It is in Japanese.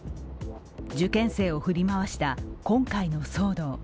受験生を振り回した今回の騒動。